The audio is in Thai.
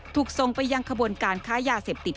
ถูกส่งไปยังขบวนการค้ายาเสพติด